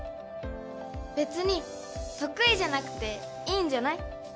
別に得意じゃなくていいんじゃない？